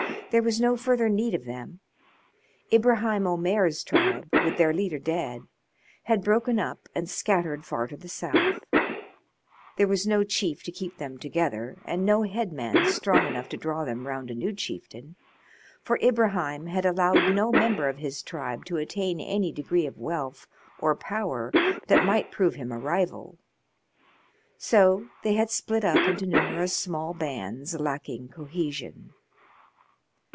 There was no further need of them. Ibraheim Omair's tribe, with their leader dead, had broken up and scattered far to the south; there was no chief to keep them together and no headman strong enough to draw them round a new chieftain, for Ibraheim had allowed no member of his tribe to attain any degree of wealth or power that might prove him a rival; so they had split up into numerous small bands lacking cohesion.